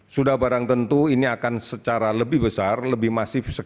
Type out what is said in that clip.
sudah barang tentu ini akan secara lebih besar lebih masif dan lebih besar